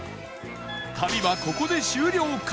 旅はここで終了か？